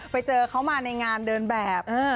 ไปเจอเขามาในงานเดินแบบ